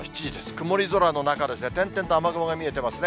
曇り空の中、点々と雨雲が見えてますね。